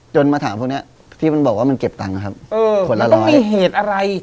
จนมาถามพวกนี้ที่มันบอกว่ามันเก็บตังครับขวดละ๑๐๐